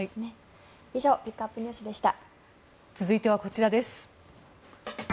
以上ピックアップＮＥＷＳでした。